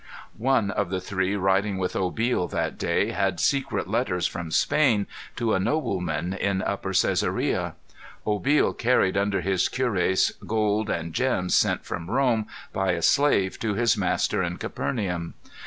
One of the three riding with Obil that day had secret letters from Spain to a nobleman in upper Cæsarea. Obil carried under his cuirass gold and gems sent from Rome by a slave to his master in Capernaum.